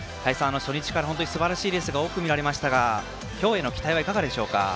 初日から本当にすばらしいレースが多く見られましたが今日への期待はいかがでしょうか。